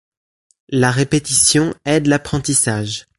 La répétition aide l'apprentissage.